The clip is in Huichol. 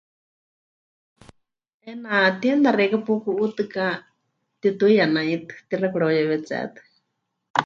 'Eena tienda xeikɨ́a puku'utɨká, pɨtituiya naitɨ, tixaɨ pɨkareuyewetsé tɨ.